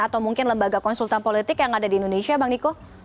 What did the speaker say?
atau mungkin lembaga konsultan politik yang ada di indonesia bang niko